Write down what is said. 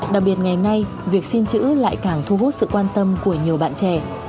đặc biệt ngày nay việc xin chữ lại càng thu hút sự quan tâm của nhiều bạn trẻ